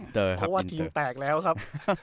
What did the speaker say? เพราะว่าทีมแตกแล้วครับ